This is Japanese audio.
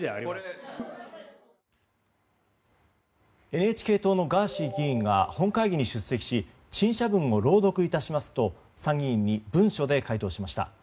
ＮＨＫ党のガーシー議員が本会議に出席し陳謝文を朗読いたしますと参議院に文書で回答しました。